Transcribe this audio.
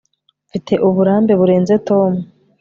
mfite uburambe burenze tom